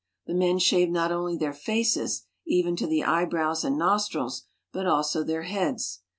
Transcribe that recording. The men shave not only their faces even to the eyebrows and nostrils, but also their heads.